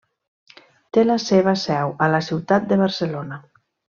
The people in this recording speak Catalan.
Té la seva seu a la ciutat de Barcelona.